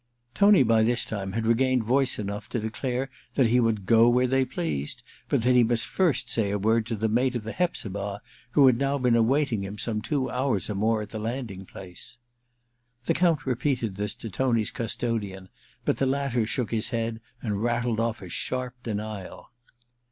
Tony by this time had regained voice enough to declare that he would go where they pleased, but that he must first say a word to the mate of the Hepzibah, who had now been awaiting him some two hours or more at the landing place. The Count repeated this to Tony's custodian, but the latter shook his head and rattled off a sharp denial.